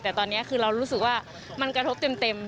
แต่ตอนนี้คือเรารู้สึกว่ามันกระทบเต็ม